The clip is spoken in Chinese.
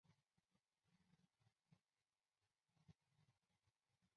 大部分媒体出版物对本届颁奖晚会的评价欠佳。